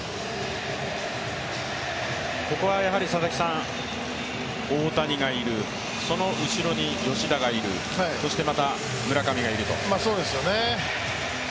ここは大谷がいる、その後ろに吉田がいる、そしてまた村上がいると。